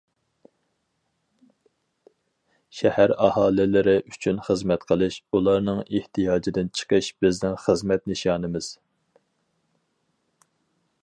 شەھەر ئاھالىلىرى ئۈچۈن خىزمەت قىلىش، ئۇلارنىڭ ئېھتىياجىدىن چىقىش بىزنىڭ خىزمەت نىشانىمىز.